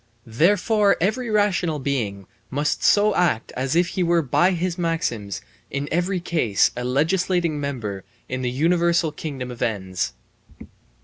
Therefore every rational being must so act as if he were by his maxims in every case a legislating member in the universal kingdom of ends.